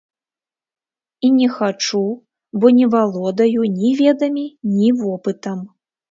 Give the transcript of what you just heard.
І не хачу, бо не валодаю ні ведамі, ні вопытам.